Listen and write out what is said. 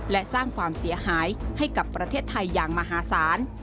และสร้างความเสียหายให้กับประเทศไทยอย่างมหาศาล